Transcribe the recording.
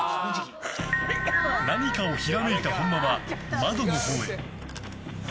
何かをひらめいた本間は窓のほうへ。